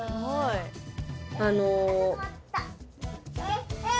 あの。